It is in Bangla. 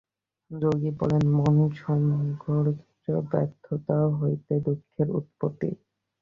যোগী বলেন, মনঃসংযমে ব্যর্থতা হইতেই দুঃখের উৎপত্তি।